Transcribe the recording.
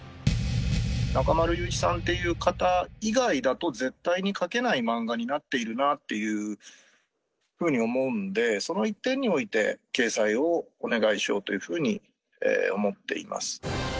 中丸雄一さんっていう方以外だと、絶対に描けない漫画になっているなというふうに思うんで、その一点において、掲載をお願いしようというふうに思っています。